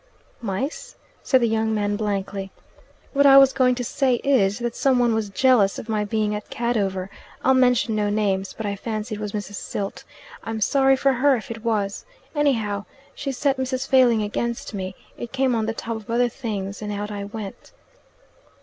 "Mice?" said the young man blankly. "What I was going to say is, that some one was jealous of my being at Cadover. I'll mention no names, but I fancy it was Mrs. Silt. I'm sorry for her if it was. Anyhow, she set Mrs. Failing against me. It came on the top of other things and out I went."